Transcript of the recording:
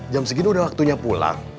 jam segini udah waktunya pulang